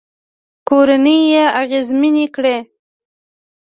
کورنۍ يې اغېزمنې کړې